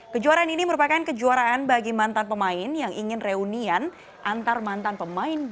kejuaraan ini merupakan kejuaraan bagi mantan pemain yang ingin reunian antar mantan pemain